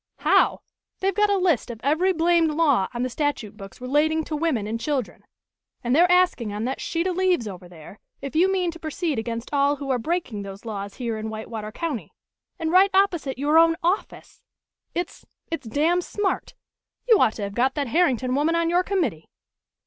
"How? They've got a list of every blamed law on the statute books relating to women and children, and they're asking on that sheet of leaves over there, if you mean to proceed against all who are breaking those laws here in Whitewater County. And right opposite your own office! It's it's damn smart. You ought to have got that Herrington woman on your committee."